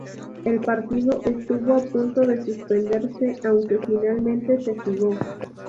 El partido estuvo a punto de suspenderse, aunque finalmente se jugó.